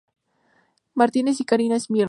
Martinez y Karina Smirnoff.